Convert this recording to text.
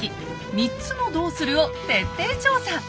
３つの「どうする⁉」を徹底調査。